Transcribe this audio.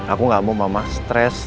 aku gak mau mama stres